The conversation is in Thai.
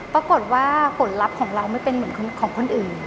ปรากฏว่าผลลัพธ์ของเราไม่เป็นเหมือนของคนอื่น